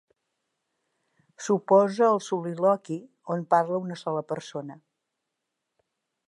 S'oposa al soliloqui, on parla una sola persona.